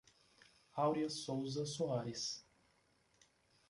Aurea Souza Soares